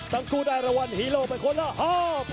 ตังกุได้รวัญฮีโร่เป็นคนละ๕๐๐๐บอท